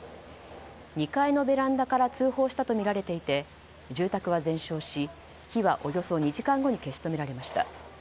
２階のベランダから通報したとみられていて住宅は全焼し火はおよそ２時間後に消し止められました。